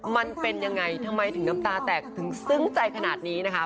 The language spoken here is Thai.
มันเป็นยังไงทำไมถึงน้ำตาแตกถึงซึ้งใจขนาดนี้นะคะ